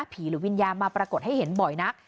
หรือวิญญาณมาปรากฏให้เห็นบ่อยนัก